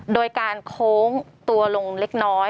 โดยการโค้งตัวลงเล็กน้อย